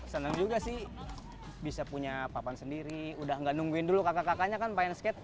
senang juga sih bisa punya papan sendiri udah nggak nungguin dulu kakak kakaknya kan main skate